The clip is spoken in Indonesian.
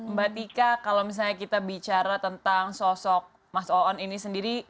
mbak tika kalau misalnya kita bicara tentang sosok mas oon ini sendiri